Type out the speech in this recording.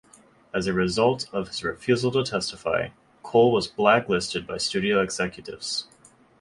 As a result of his refusal to testify, Cole was blacklisted by studio executives.